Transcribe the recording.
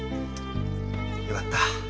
よかった。